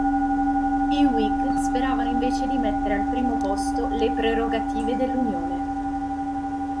I Whig speravano invece di mettere al primo posto le prerogative dell'Unione.